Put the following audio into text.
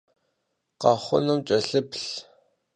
Khexhunum ç'elhıplh.